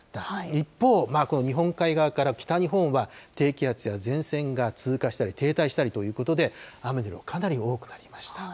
一方、この日本海側から北日本は、低気圧や前線が通過したり、停滞したりということで、雨の量、かなり多くなりました。